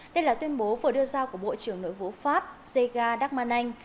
đây là tuyên bố vừa đưa ra của bộ trưởng nội vũ pháp zega dagman anh